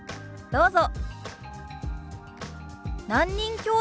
どうぞ。